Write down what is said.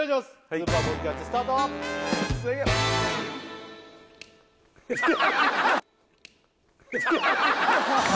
スーパーボールキャッチスタートハハハハハハ